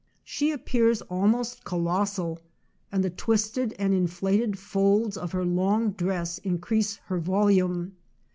She appears almost colossal, and the twisted and inflated folds of her long dress increase her volume.